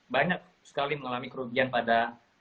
banyak sekali mengalami kerugian pada